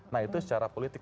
nah itu secara politik